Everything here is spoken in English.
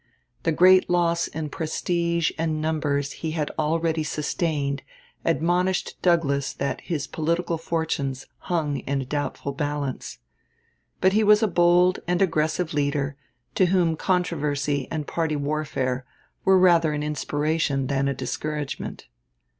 The great loss in prestige and numbers he had already sustained admonished Douglas that his political fortunes hung in a doubtful balance. But he was a bold and aggressive leader, to whom controversy and party warfare were rather an inspiration than a discouragement.